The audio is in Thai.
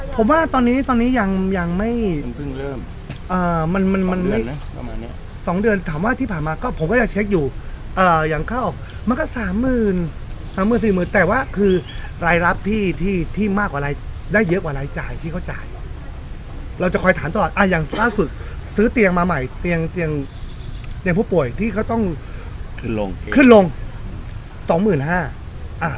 เกี่ยวกับเกี่ยวกับเกี่ยวกับเกี่ยวกับเกี่ยวกับเกี่ยวกับเกี่ยวกับเกี่ยวกับเกี่ยวกับเกี่ยวกับเกี่ยวกับเกี่ยวกับเกี่ยวกับเกี่ยวกับเกี่ยวกับเกี่ยวกับเกี่ยวกับเกี่ยวกับเกี่ยวกับเกี่ยวกับเกี่ยวกับเกี่ยวกับเกี่ยวกับเกี่ยวกับเกี่ยวกับเกี่ยวกับเกี่ยวกับเกี่ยวกับเกี่ยวกับเกี่ยวกับเกี่ยวกับเกี่ย